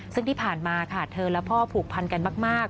ซึ่งที่ผ่านมาค่ะเธอและพ่อผูกพันกันมาก